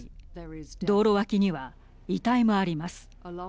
道路脇には遺体もあります。